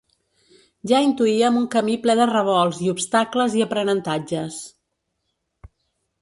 Ja intuíem un camí ple de revolts i obstacles i aprenentatges.